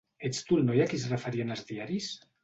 Ets tu el noi a qui es referien els diaris?